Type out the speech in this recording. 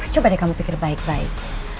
coba deh kamu pikir baik baik